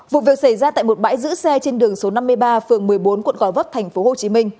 vụ việc xảy ra tại một bãi giữ xe trên đường số năm mươi ba phường một mươi bốn quận gò vấp tp hcm